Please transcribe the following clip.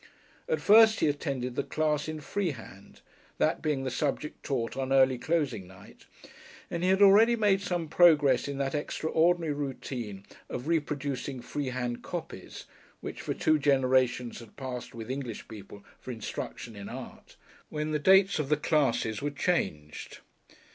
At first he attended the class in Freehand, that being the subject taught on early closing night; and he had already made some progress in that extraordinary routine of reproducing freehand "copies" which for two generations had passed with English people for instruction in art, when the dates of the classes were changed.